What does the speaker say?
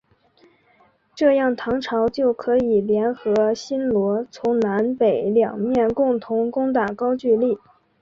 这样唐朝就可以联合新罗从南北两面共同攻打高句丽。